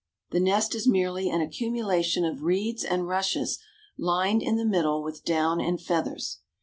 The nest is merely an accumulation of reeds and rushes lined in the middle with down and feathers.